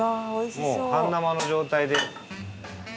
もう半生の状態で。